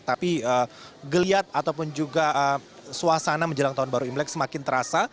tapi geliat ataupun juga suasana menjelang tahun baru imlek semakin terasa